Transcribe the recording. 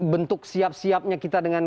bentuk siap siapnya kita dengan